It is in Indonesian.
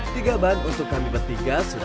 tiga ban untuk kami bertiga sudah selesai